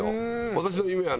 私の夢はね